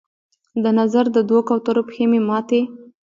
د نظر د دوو کوترو پښې مې ماتي